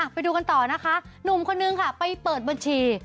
ไปดูกันต่อนะคะหนุ่มคนนึงค่ะไปเปิดบัญชี